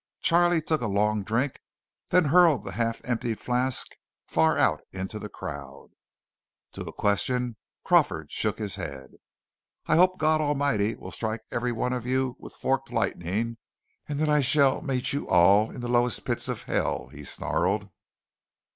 Charley took a long drink, then hurled the half emptied flask far out into the crowd. To a question Crawford shook his head. "I hope God Almighty will strike every one of you with forked lightning and that I shall meet you all in the lowest pit of hell!" he snarled.